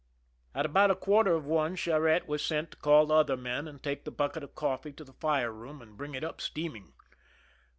At about a quarter of one Charette was sent to call the other men and take the bucket of coffee to the fire room and bring it up steaming.